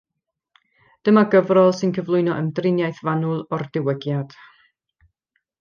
Dyma gyfrol sy'n cyflwyno ymdriniaeth fanwl o'r Diwygiad.